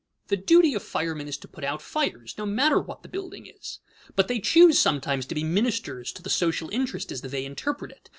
The duty of firemen is to put out fires, no matter what the building is; but they choose sometimes to be ministers to the social interest as they interpret it.